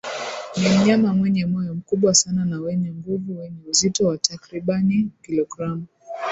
Ni mnyama mwenye moyo mkubwa sana na wenye nguvu wenye uzito wa takribani kilogramu